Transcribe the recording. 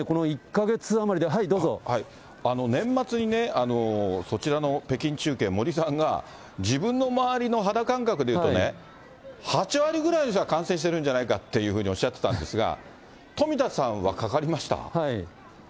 年末に、そちらの北京中継、もりさんが、自分の周りの肌感覚でいうとね、８割ぐらいの人が感染してるんじゃないかというふうにおっしゃってたんですが、富田さんはかかりました？